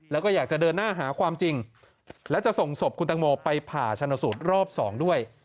แล้วก็อยากจะเดินหน้าหาความจริงและจะส่งศพคุณตังโมไปผ่าชนสูตรรอบสองด้วย